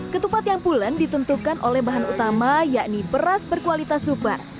ketupat yang pulen ditentukan oleh bahan utama yakni beras berkualitas super